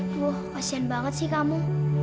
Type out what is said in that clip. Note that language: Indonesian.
tuh kasihan banget sih kamu